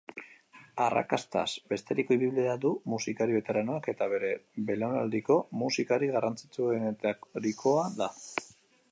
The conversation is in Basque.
Arrakastaz beteriko ibilbidea du musikari beteranoak eta bere belaunaldiko musikari garrantzitsuenetarikoa da.